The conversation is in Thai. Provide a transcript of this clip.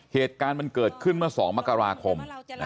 เหตุการณ์มันเกิดขึ้นเมื่อ๒มกราคม